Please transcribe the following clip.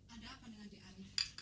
ada apa dengan di arif